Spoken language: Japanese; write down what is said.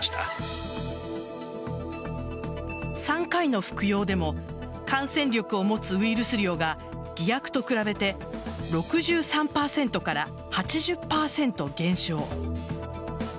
３回の服用でも感染力を持つウイルス量が偽薬と比べて６３％から８０％減少。